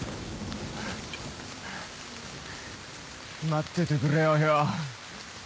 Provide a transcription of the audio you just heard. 待っててくれよ漂。